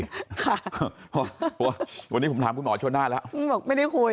เพราะว่าวันนี้ผมถามคุณหมอชนน่าแล้วบอกไม่ได้คุย